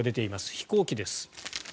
飛行機です。